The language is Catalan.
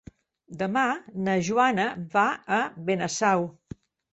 Demà na Joana va a Benasau.